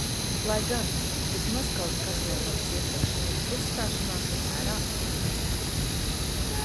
Lai gan – vismaz kaut kas no manas iepriekšējās uzstāšanās vērā ir ņemts.